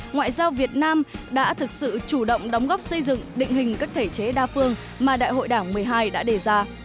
ngoại giao việt nam đã thực sự chủ động đóng góp xây dựng định hình các thể chế đa phương mà đại hội đảng một mươi hai đã đề ra